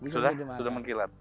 sudah sudah mengkilap